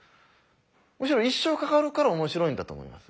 むしろ一生かかるから面白いんだと思います。